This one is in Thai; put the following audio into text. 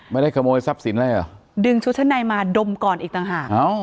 ไม่ได้ขโมยทรัพย์สินอะไรเหรอดึงชุดชั้นในมาดมก่อนอีกต่างหาก